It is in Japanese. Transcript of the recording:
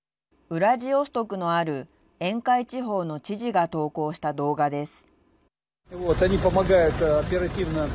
ウラジオストクのある沿海地方の知事が投稿した動画です。